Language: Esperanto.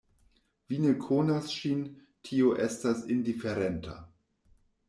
Vi ne konas ŝin, tio estas indiferenta!